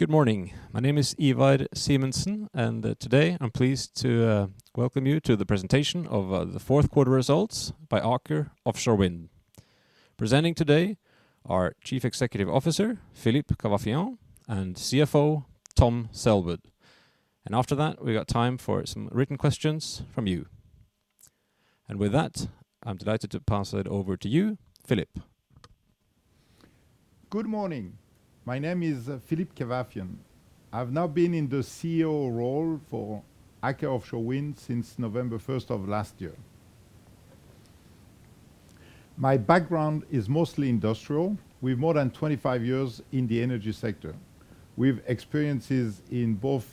Good morning. My name is Ivar Simensen, and today I'm pleased to welcome you to the presentation of the Q4 results by Aker Offshore Wind. Presenting today are Chief Executive Officer Philippe Kavafyan and CFO Tom Selwood. After that, we've got time for some written questions from you. With that, I'm delighted to pass it over to you, Philippe. Good morning. My name is Philippe Kavafyan. I've now been in the CEO role for Aker Offshore Wind since November first of last year. My background is mostly industrial, with more than 25 years in the energy sector, with experiences in both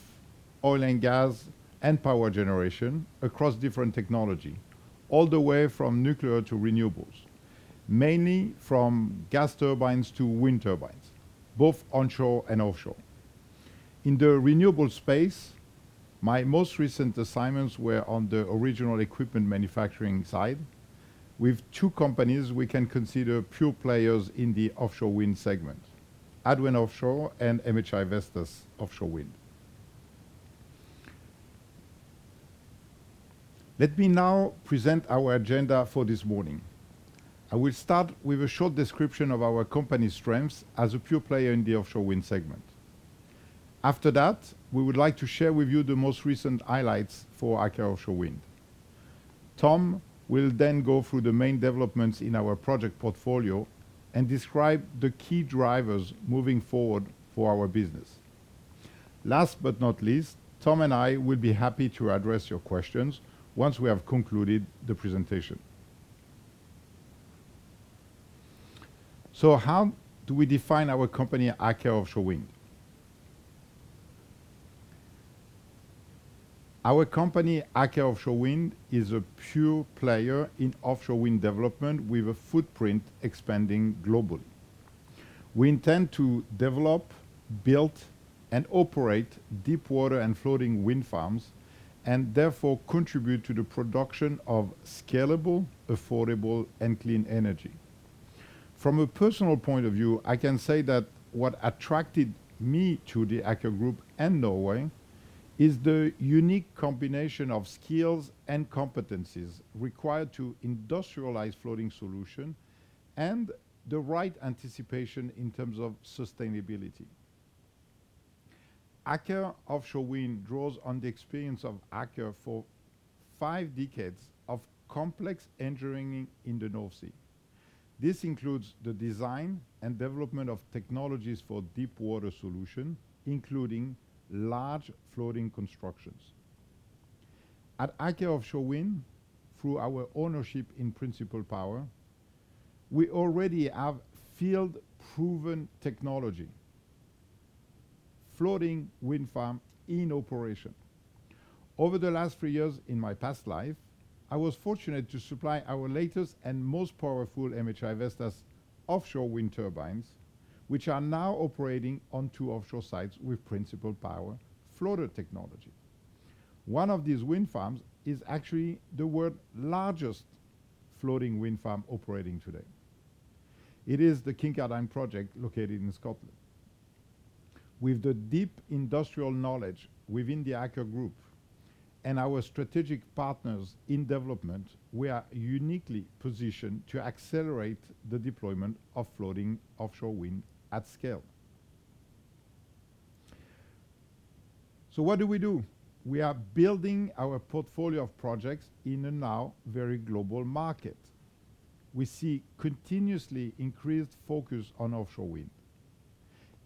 oil and gas and power generation across different technology, all the way from nuclear to renewables, mainly from gas turbines to wind turbines, both onshore and offshore. In the renewable space, my most recent assignments were on the original equipment manufacturing side. With two companies we can consider pure players in the offshore wind segment, Adwen Offshore and MHI Vestas Offshore Wind. Let me now present our agenda for this morning. I will start with a short description of our company's strengths as a pure player in the offshore wind segment. After that, we would like to share with you the most recent highlights for Aker Offshore Wind. Tom will then go through the main developments in our project portfolio and describe the key drivers moving forward for our business. Last but not least, Tom and I will be happy to address your questions once we have concluded the presentation. How do we define our company, Aker Offshore Wind? Our company, Aker Offshore Wind, is a pure player in offshore wind development with a footprint expanding globally. We intend to develop, build, and operate deepwater and floating wind farms, and therefore contribute to the production of scalable, affordable, and clean energy. From a personal point of view, I can say that what attracted me to the Aker Group and Norway is the unique combination of skills and competencies required to industrialize floating solution and the right anticipation in terms of sustainability. Aker Offshore Wind draws on the experience of Aker for five decades of complex engineering in the North Sea. This includes the design and development of technologies for deepwater solution, including large floating constructions. At Aker Offshore Wind, through our ownership in Principle Power, we already have field-proven technology, floating wind farm in operation. Over the last three years in my past life, I was fortunate to supply our latest and most powerful MHI Vestas Offshore Wind turbines, which are now operating on two offshore sites with Principle Power floater technology. One of these wind farms is actually the world largest floating wind farm operating today. It is the Kincardine project located in Scotland. With the deep industrial knowledge within the Aker group and our strategic partners in development, we are uniquely positioned to accelerate the deployment of floating offshore wind at scale. What do we do? We are building our portfolio of projects in a now very global market. We see continuously increased focus on offshore wind,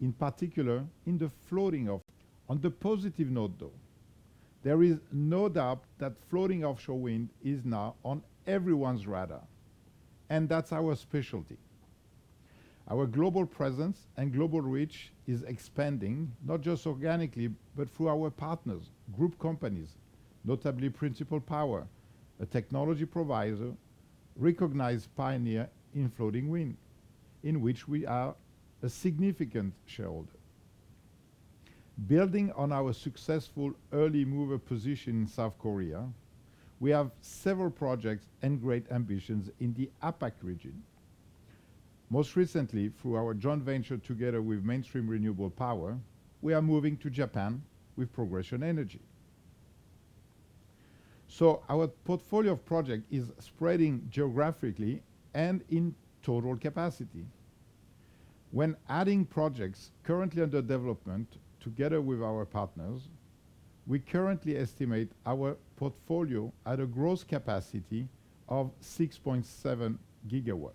in particular in floating offshore. On the positive note, though, there is no doubt that floating offshore wind is now on everyone's radar, and that's our specialty. Our global presence and global reach is expanding, not just organically, but through our partners, group companies, notably Principle Power, a technology provider, recognized pioneer in floating wind, in which we are a significant shareholder. Building on our successful early mover position in South Korea, we have several projects and great ambitions in the APAC region. Most recently, through our joint venture together with Mainstream Renewable Power, we are moving to Japan with Progression Energy. Our portfolio of project is spreading geographically and in total capacity. When adding projects currently under development together with our partners, we currently estimate our portfolio at a gross capacity of 6.7 GW,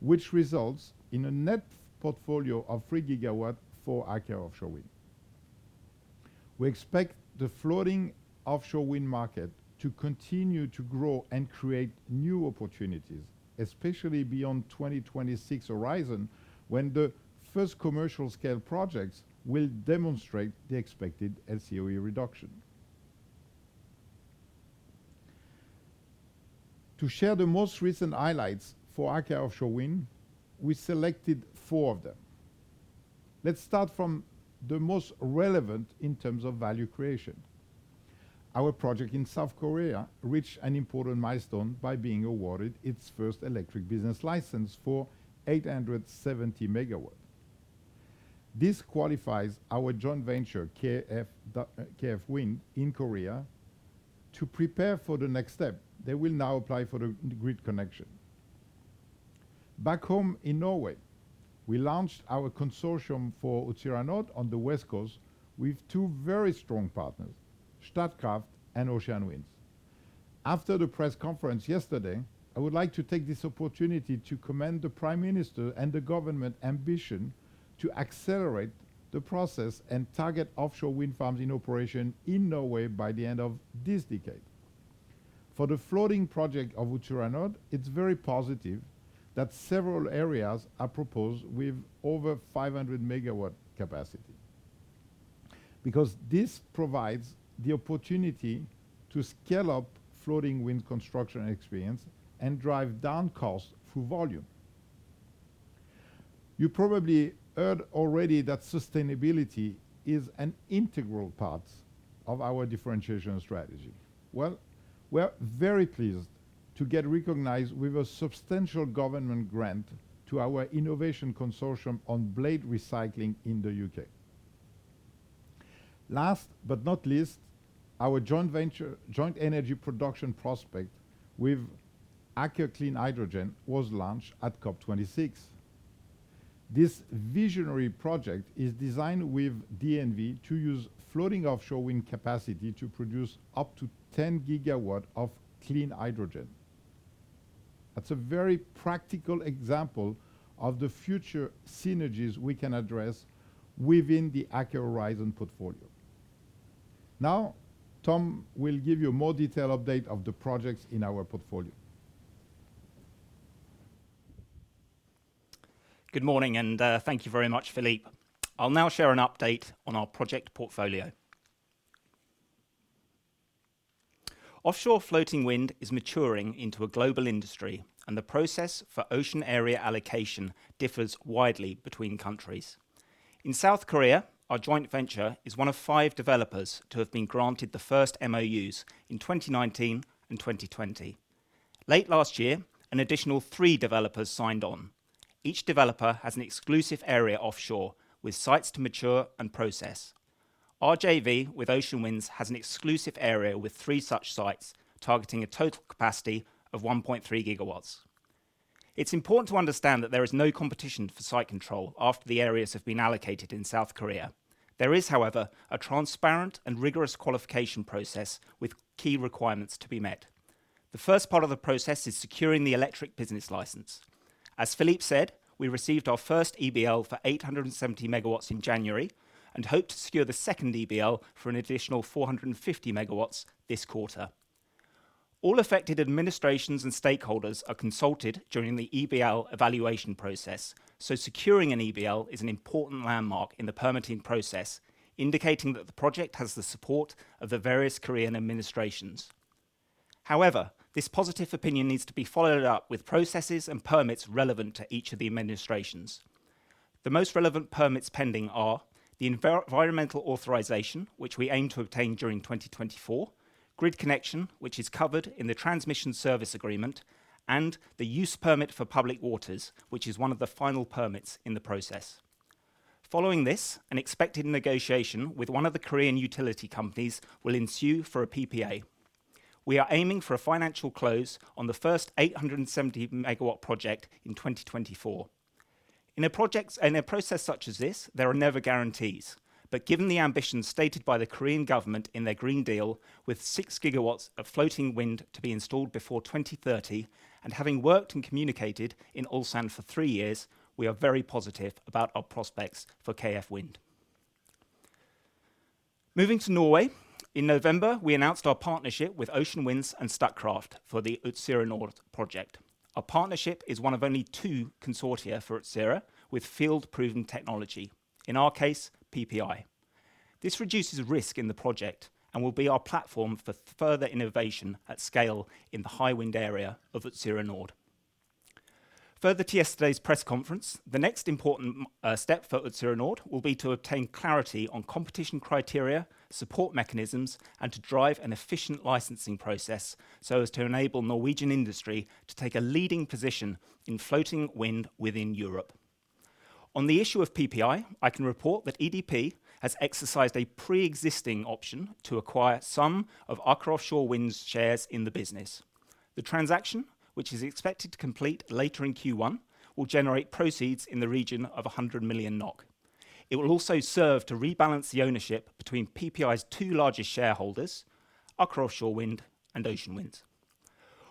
which results in a net portfolio of 3 GW for Aker Offshore Wind. We expect the floating offshore wind market to continue to grow and create new opportunities, especially beyond 2026 horizon, when the first commercial scale projects will demonstrate the expected LCOE reduction. To share the most recent highlights for Aker Offshore Wind, we selected four of them. Let's start from the most relevant in terms of value creation. Our project in South Korea reached an important milestone by being awarded its first Electric Business License for 870 MW. This qualifies our joint venture, KF Wind in Korea, to prepare for the next step. They will now apply for the grid connection. Back home in Norway, we launched our consortium for Utsira Nord on the west coast with two very strong partners, Statkraft and Ocean Winds. After the press conference yesterday, I would like to take this opportunity to commend the Prime Minister and the government ambition to accelerate the process and target offshore wind farms in operation in Norway by the end of this decade. For the floating project of Utsira Nord, it's very positive that several areas are proposed with over 500 MW capacity. Because this provides the opportunity to scale up floating wind construction experience and drive down costs through volume. You probably heard already that sustainability is an integral part of our differentiation strategy. Well, we're very pleased to get recognized with a substantial government grant to our innovation consortium on blade recycling in the U.K. Last but not least, our joint energy production prospect with Aker Clean Hydrogen was launched at COP26. This visionary project is designed with DNV to use floating offshore wind capacity to produce up to 10 GW of clean hydrogen. That's a very practical example of the future synergies we can address within the Aker Horizons portfolio. Now, Tom will give you a more detailed update of the projects in our portfolio. Good morning, and thank you very much, Philippe. I'll now share an update on our project portfolio. Offshore floating wind is maturing into a global industry, and the process for ocean area allocation differs widely between countries. In South Korea, our joint venture is one of 5 developers to have been granted the first MOUs in 2019 and 2020. Late last year, an additional 3 developers signed on. Each developer has an exclusive area offshore with sites to mature and process. Our JV with Ocean Winds has an exclusive area with 3 such sites, targeting a total capacity of 1.3 gigawatts. It's important to understand that there is no competition for site control after the areas have been allocated in South Korea. There is, however, a transparent and rigorous qualification process with key requirements to be met. The first part of the process is securing the electric business license. As Philippe said, we received our first EBL for 870 MW in January and hope to secure the second EBL for an additional 450 MW this quarter. All affected administrations and stakeholders are consulted during the EBL evaluation process, so securing an EBL is an important landmark in the permitting process, indicating that the project has the support of the various Korean administrations. However, this positive opinion needs to be followed up with processes and permits relevant to each of the administrations. The most relevant permits pending are the environmental authorization, which we aim to obtain during 2024, grid connection, which is covered in the transmission service agreement, and the use permit for public waters, which is one of the final permits in the process. Following this, an expected negotiation with one of the Korean utility companies will ensue for a PPA. We are aiming for a financial close on the first 870-MW project in 2024. In a process such as this, there are never guarantees. Given the ambition stated by the Korean government in their Green New Deal, with 6 GW of floating wind to be installed before 2030, and having worked and communicated in Ulsan for 3 years, we are very positive about our prospects for KF Wind. Moving to Norway, in November, we announced our partnership with Ocean Winds and Statkraft for the Utsira Nord project. Our partnership is one of only two consortia for Utsira with field-proven technology, in our case, PPI. This reduces risk in the project and will be our platform for further innovation at scale in the high wind area of Utsira Nord. Further to yesterday's press conference, the next important step for Utsira Nord will be to obtain clarity on competition criteria, support mechanisms, and to drive an efficient licensing process so as to enable Norwegian industry to take a leading position in floating wind within Europe. On the issue of PPI, I can report that EDP has exercised a preexisting option to acquire some of Aker Offshore Wind's shares in the business. The transaction, which is expected to complete later in Q1, will generate proceeds in the region of 100 million NOK. It will also serve to rebalance the ownership between PPI's two largest shareholders, Aker Offshore Wind and Ocean Winds.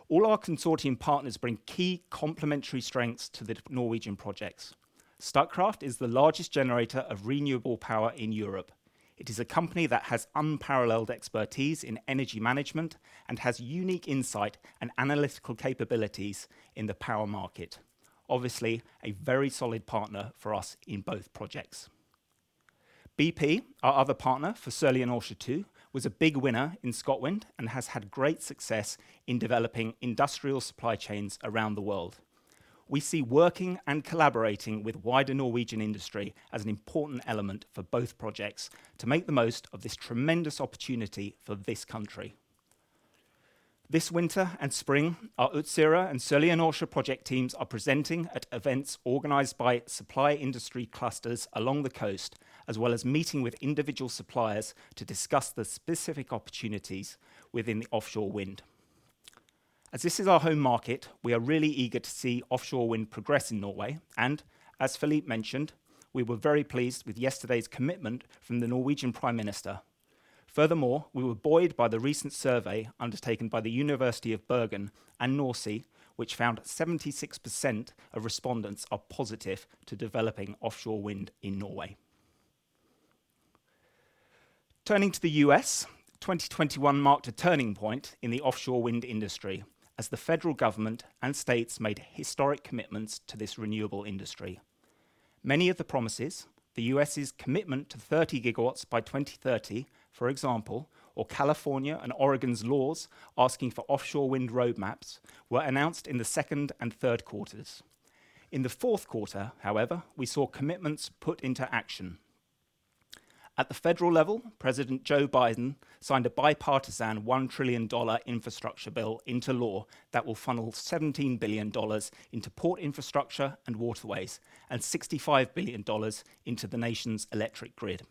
All our consortium partners bring key complementary strengths to the Norwegian projects. Statkraft is the largest generator of renewable power in Europe. It is a company that has unparalleled expertise in energy management and has unique insight and analytical capabilities in the power market. Obviously, a very solid partner for us in both projects. bp, our other partner for Sørlige Nordsjø II, was a big winner in ScotWind and has had great success in developing industrial supply chains around the world. We see working and collaborating with wider Norwegian industry as an important element for both projects to make the most of this tremendous opportunity for this country. This winter and spring, our Utsira and Sørlige Nordsjø project teams are presenting at events organized by supply industry clusters along the coast, as well as meeting with individual suppliers to discuss the specific opportunities within the offshore wind. As this is our home market, we are really eager to see offshore wind progress in Norway, and as Philippe mentioned, we were very pleased with yesterday's commitment from the Norwegian Prime Minister. Furthermore, we were buoyed by the recent survey undertaken by the University of Bergen and NORCE, which found 76% of respondents are positive to developing offshore wind in Norway. Turning to the U.S., 2021 marked a turning point in the offshore wind industry as the federal government and states made historic commitments to this renewable industry. Many of the promises, the U.S.'s commitment to 30 GW by 2030, for example, or California and Oregon's laws asking for offshore wind roadmaps, were announced in the second and third quarters. In the fourth quarter, however, we saw commitments put into action. At the federal level, President Joe Biden signed a bipartisan $1 trillion infrastructure bill into law that will funnel $17 billion into port infrastructure and waterways and $65 billion into the nation's electric grid.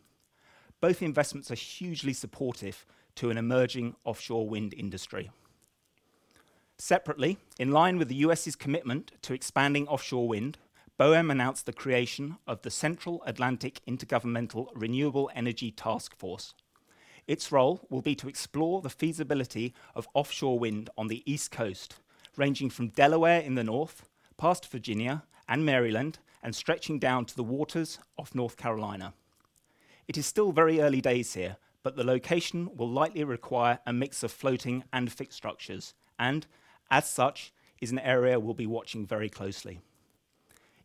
Both investments are hugely supportive to an emerging offshore wind industry. Separately, in line with the U.S.'s commitment to expanding offshore wind, BOEM announced the creation of the Central Atlantic Intergovernmental Renewable Energy Task Force. Its role will be to explore the feasibility of offshore wind on the East Coast, ranging from Delaware in the north, past Virginia and Maryland, and stretching down to the waters off North Carolina. It is still very early days here, but the location will likely require a mix of floating and fixed structures, and as such is an area we'll be watching very closely.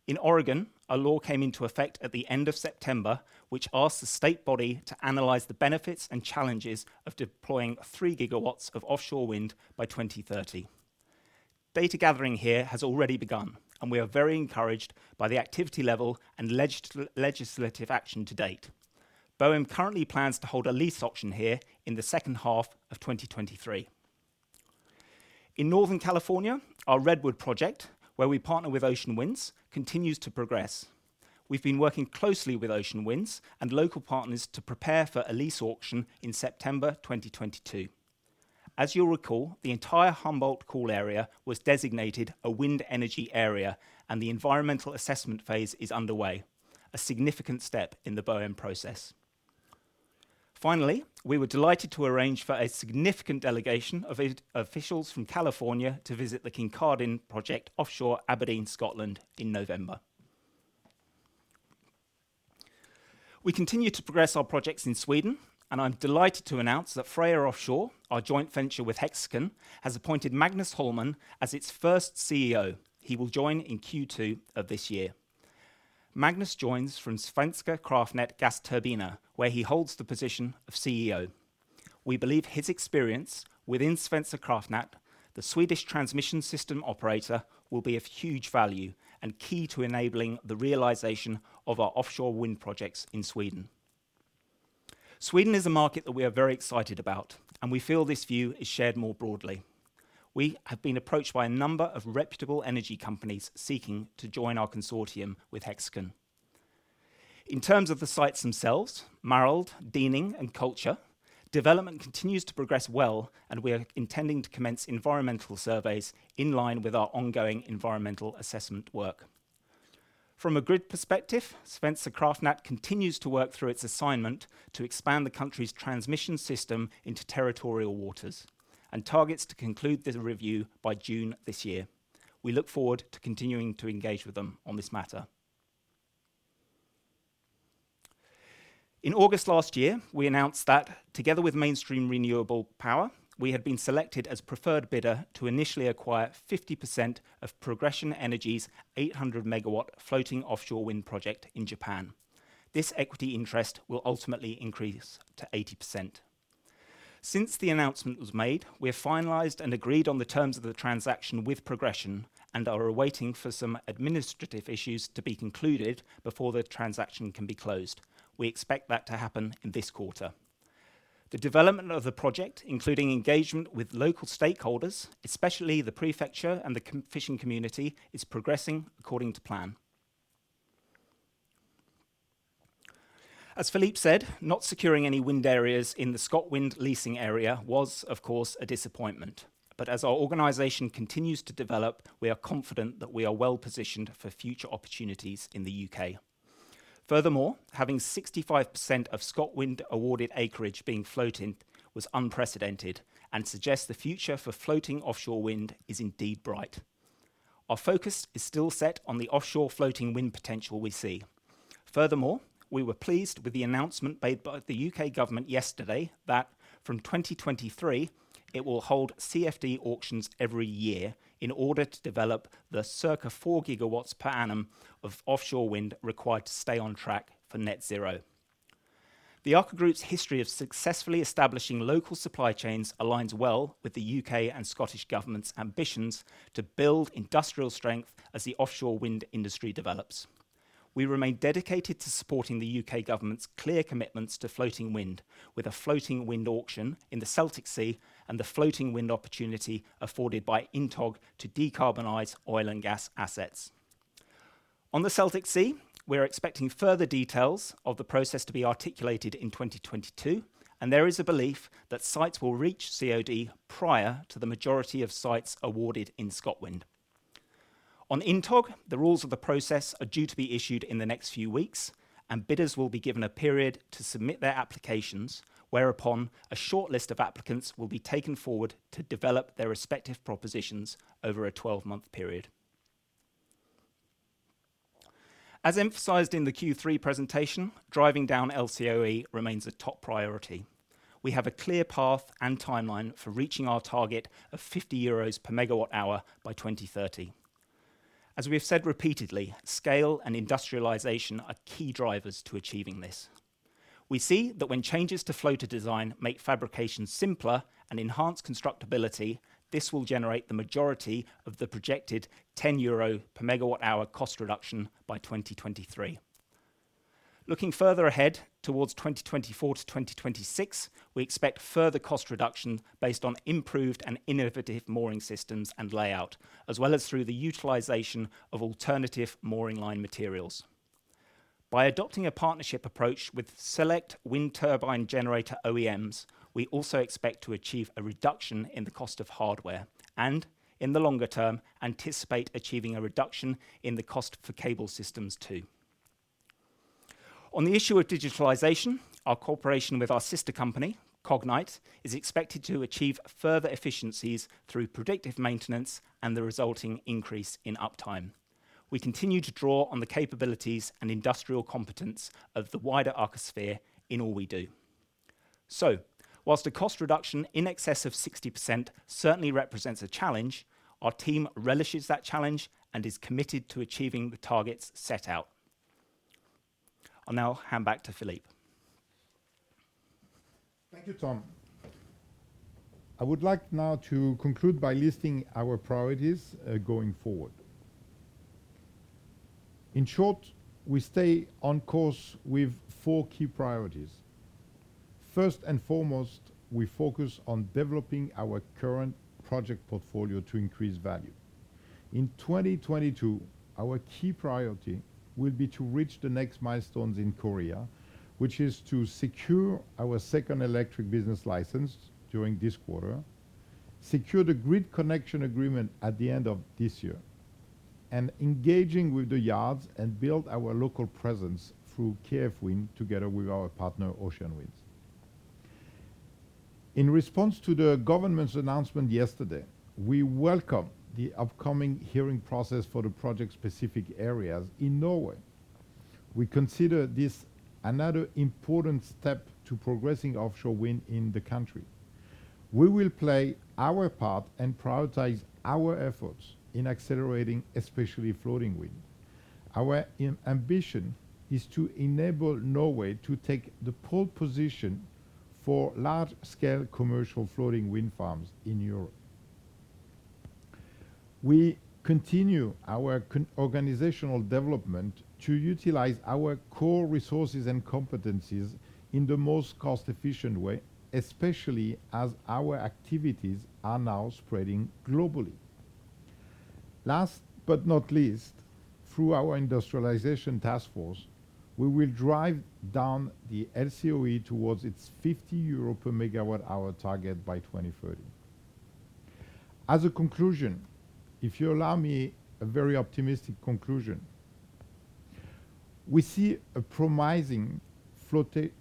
In Oregon, a law came into effect at the end of September, which asks the state body to analyze the benefits and challenges of deploying 3 gigawatts of offshore wind by 2030. Data gathering here has already begun, and we are very encouraged by the activity level and legislative action to date. BOEM currently plans to hold a lease auction here in the second half of 2023. In Northern California, our Redwood project, where we partner with Ocean Winds, continues to progress. We've been working closely with Ocean Winds and local partners to prepare for a lease auction in September 2022. As you'll recall, the entire Humboldt Call Area was designated a Wind Energy Area, and the environmental assessment phase is underway, a significant step in the BOEM process. Finally, we were delighted to arrange for a significant delegation of officials from California to visit the Kincardine Project offshore Aberdeen, Scotland in November. We continue to progress our projects in Sweden, and I'm delighted to announce that Freja Offshore, our joint venture with Hexicon, has appointed Magnus Hallmen as its first CEO. He will join in Q2 of this year. Magnus joins from Svenska kraftnät Gasturbiner, where he holds the position of CEO. We believe his experience within Svenska Kraftnät, the Swedish transmission system operator, will be of huge value and key to enabling the realization of our offshore wind projects in Sweden. Sweden is a market that we are very excited about, and we feel this view is shared more broadly. We have been approached by a number of reputable energy companies seeking to join our consortium with Hexicon. In terms of the sites themselves, Mareld, Dyning, and Kultje, development continues to progress well, and we are intending to commence environmental surveys in line with our ongoing environmental assessment work. From a grid perspective, Svenska kraftnät continues to work through its assignment to expand the country's transmission system into territorial waters and targets to conclude the review by June this year. We look forward to continuing to engage with them on this matter. In August last year, we announced that together with Mainstream Renewable Power, we have been selected as preferred bidder to initially acquire 50% of Progression Energy's 800 MW floating offshore wind project in Japan. This equity interest will ultimately increase to 80%. Since the announcement was made, we have finalized and agreed on the terms of the transaction with Progression and are awaiting for some administrative issues to be concluded before the transaction can be closed. We expect that to happen in this quarter. The development of the project, including engagement with local stakeholders, especially the prefecture and the commercial fishing community, is progressing according to plan. As Philippe said, not securing any wind areas in the ScotWind leasing area was, of course, a disappointment. As our organization continues to develop, we are confident that we are well-positioned for future opportunities in the U.K. Furthermore, having 65% of ScotWind awarded acreage being floating was unprecedented and suggests the future for floating offshore wind is indeed bright. Our focus is still set on the offshore floating wind potential we see. Furthermore, we were pleased with the announcement made by the U.K. government yesterday that from 2023, it will hold CFD auctions every year in order to develop the circa 4 gigawatts per annum of offshore wind required to stay on track for net zero. The Aker Group's history of successfully establishing local supply chains aligns well with the U.K. and Scottish government's ambitions to build industrial strength as the offshore wind industry develops. We remain dedicated to supporting the U.K. government's clear commitments to floating wind, with a floating wind auction in the Celtic Sea and the floating wind opportunity afforded by INTOG to decarbonize oil and gas assets. On the Celtic Sea, we're expecting further details of the process to be articulated in 2022, and there is a belief that sites will reach COD prior to the majority of sites awarded in ScotWind. On INTOG, the rules of the process are due to be issued in the next few weeks, and bidders will be given a period to submit their applications, whereupon a shortlist of applicants will be taken forward to develop their respective propositions over a 12-month period. As emphasized in the Q3 presentation, driving down LCOE remains a top priority. We have a clear path and timeline for reaching our target of 50 euros per megawatt hour by 2030. As we have said repeatedly, scale and industrialization are key drivers to achieving this. We see that when changes to floater design make fabrication simpler and enhance constructability, this will generate the majority of the projected 10 euro per megawatt hour cost reduction by 2023. Looking further ahead towards 2024-2026, we expect further cost reduction based on improved and innovative mooring systems and layout, as well as through the utilization of alternative mooring line materials. By adopting a partnership approach with select wind turbine generator OEMs, we also expect to achieve a reduction in the cost of hardware and, in the longer term, anticipate achieving a reduction in the cost for cable systems too. On the issue of digitalization, our cooperation with our sister company, Cognite, is expected to achieve further efficiencies through predictive maintenance and the resulting increase in uptime. We continue to draw on the capabilities and industrial competence of the wider Aker sphere in all we do. While a cost reduction in excess of 60% certainly represents a challenge, our team relishes that challenge and is committed to achieving the targets set out. I'll now hand back to Philippe. Thank you, Tom. I would like now to conclude by listing our priorities, going forward. In short, we stay on course with four key priorities. First and foremost, we focus on developing our current project portfolio to increase value. In 2022, our key priority will be to reach the next milestones in Korea, which is to secure our second Electric Business License during this quarter, secure the grid connection agreement at the end of this year, and engaging with the yards and build our local presence through KF Wind together with our partner, Ocean Winds. In response to the government's announcement yesterday, we welcome the upcoming hearing process for the project-specific areas in Norway. We consider this another important step to progressing offshore wind in the country. We will play our part and prioritize our efforts in accelerating, especially floating wind. Our ambition is to enable Norway to take the pole position for large-scale commercial floating wind farms in Europe. We continue our organizational development to utilize our core resources and competencies in the most cost-efficient way, especially as our activities are now spreading globally. Last but not least, through our industrialization task force, we will drive down the LCOE towards its 50 euro per MWh target by 2030. As a conclusion, if you allow me a very optimistic conclusion, we see a promising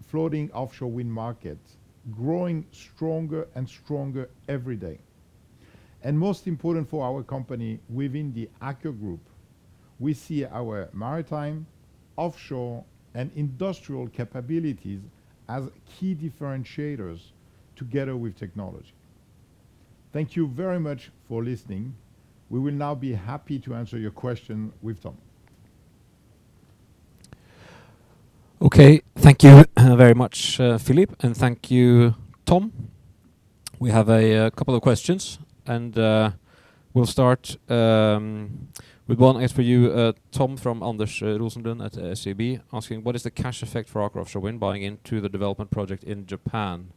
floating offshore wind market growing stronger and stronger every day. Most important for our company within the Aker group, we see our maritime, offshore, and industrial capabilities as key differentiators together with technology. Thank you very much for listening. We will now be happy to answer your question with Tom. Okay. Thank you very much, Philippe, and thank you, Tom. We have a couple of questions, and we'll start with one asked for you, Tom, from Anders Roslund at SEB asking, "What is the cash effect for Aker Offshore Wind buying into the development project in Japan?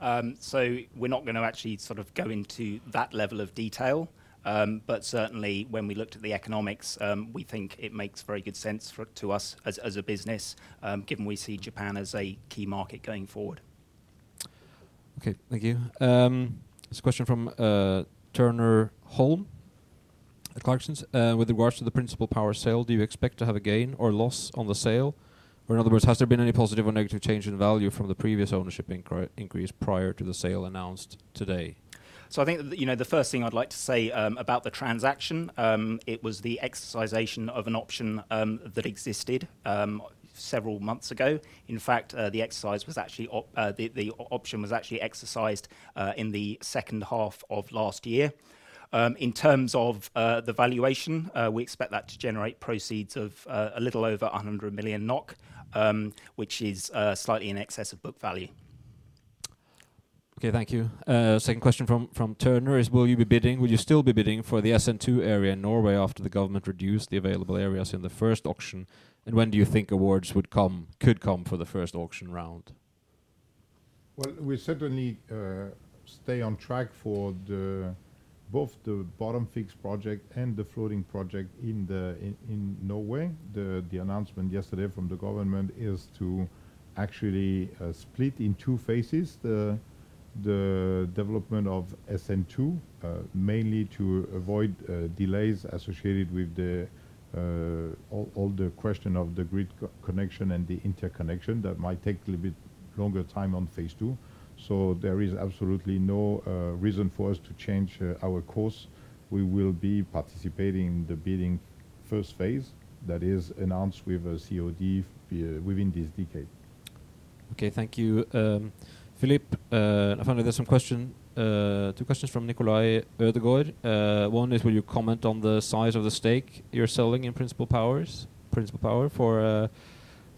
We're not gonna actually sort of go into that level of detail. Certainly when we looked at the economics, we think it makes very good sense to us as a business, given we see Japan as a key market going forward. Okay. Thank you. Here's a question from Turner Holm at Clarksons. "With regards to the Principle Power sale, do you expect to have a gain or loss on the sale? Or in other words, has there been any positive or negative change in value from the previous ownership increase prior to the sale announced today? I think, you know, the first thing I'd like to say about the transaction, it was the exercise of an option that existed several months ago. In fact, the exercise was actually, the option was actually exercised in the second half of last year. In terms of the valuation, we expect that to generate proceeds of a little over 100 million NOK, which is slightly in excess of book value. Okay, thank you. Second question from Turner is, will you still be bidding for the SN2 area in Norway after the government reduced the available areas in the first auction? And when do you think awards could come for the first auction round? Well, we certainly stay on track for both the bottom fixed project and the floating project in Norway. The announcement yesterday from the government is to actually split in two phases the development of SN2, mainly to avoid delays associated with all the question of the grid connection and the interconnection that might take a little bit longer time on phase II. There is absolutely no reason for us to change our course. We will be participating the bidding first phase that is announced with a COD within this decade. Okay, thank you. Philippe, I found there's some question, two questions from Nikolai Ødegaard Bentsen. One is will you comment on the size of the stake you're selling in Principle Power for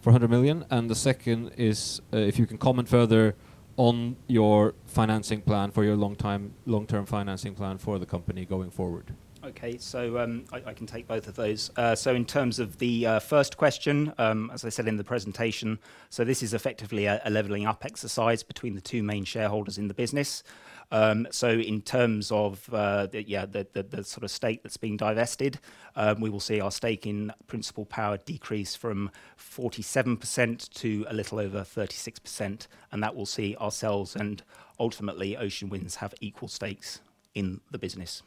100 million? And the second is, if you can comment further on your financing plan for your long-term financing plan for the company going forward. Okay. I can take both of those. In terms of the first question, as I said in the presentation, this is effectively a leveling up exercise between the two main shareholders in the business. In terms of the sort of stake that's being divested, we will see our stake in Principle Power decrease from 47% to a little over 36%. That will see ourselves and ultimately, Ocean Winds have equal stakes in the business.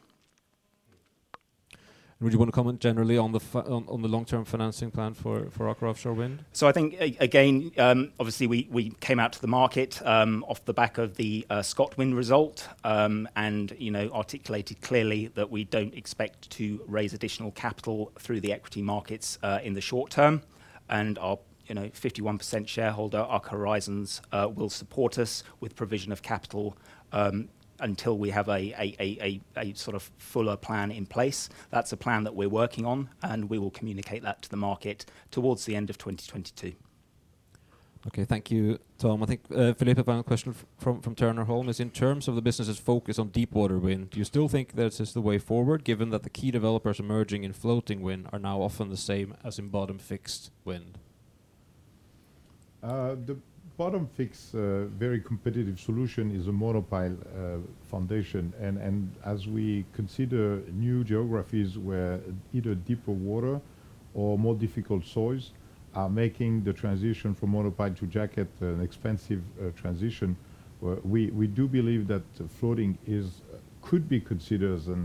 Would you wanna comment generally on the long-term financing plan for Aker Offshore Wind? I think again, obviously we came out to the market off the back of the ScotWind result. You know, articulated clearly that we don't expect to raise additional capital through the equity markets in the short term. Our you know, 51% shareholder, Aker Horizons, will support us with provision of capital until we have a sort of fuller plan in place. That's a plan that we're working on, and we will communicate that to the market towards the end of 2022. Okay. Thank you, Tom. I think, Philippe, a final question from Turner Holm is in terms of the business' focus on deepwater wind, do you still think this is the way forward given that the key developers emerging in floating wind are now often the same as in bottom fixed wind? The bottom-fixed, very competitive solution is a monopile foundation. As we consider new geographies where either deeper water or more difficult soils are making the transition from monopile to jacket an expensive transition, we do believe that floating could be considered as a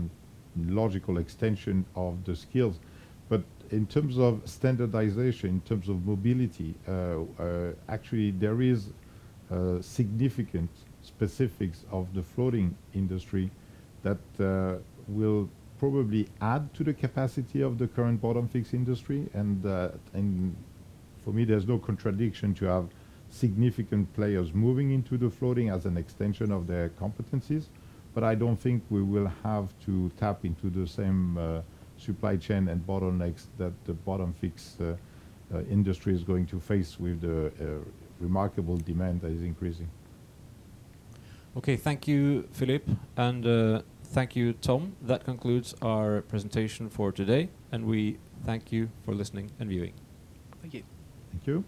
logical extension of the skills. But in terms of standardization, in terms of mobility, actually there is significant specifics of the floating industry that will probably add to the capacity of the current bottom-fixed industry. For me, there's no contradiction to have significant players moving into the floating as an extension of their competencies. But I don't think we will have to tap into the same supply chain and bottlenecks that the bottom-fixed industry is going to face with the remarkable demand that is increasing. Okay. Thank you, Philippe, and thank you, Tom. That concludes our presentation for today, and we thank you for listening and viewing. Thank you. Thank you.